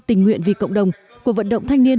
tình nguyện vì cộng đồng cuộc vận động thanh niên